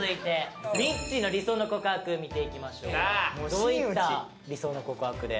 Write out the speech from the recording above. どういった理想の告白で。